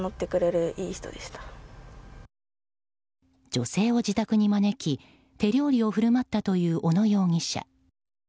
女性を自宅に招き手料理を振る舞ったという小野容疑者。